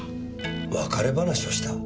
別れ話をした？